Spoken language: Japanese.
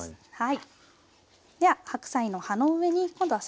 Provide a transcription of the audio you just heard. はい。